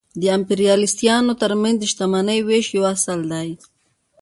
د امپریالیستانو ترمنځ د شتمنۍ وېش یو اصل دی